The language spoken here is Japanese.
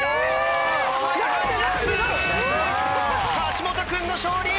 橋本君の勝利！